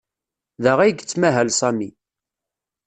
Da ay yettmahal Sami.